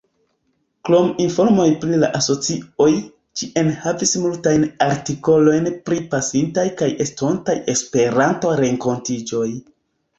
Krom informoj pri la asocioj, ĝi enhavis multajn artikolojn pri pasintaj kaj estontaj Esperanto-renkontiĝoj.